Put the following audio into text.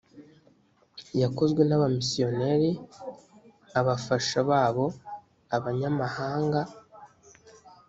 yakozwe n abamisiyoneri abafasha babo abanyamahanga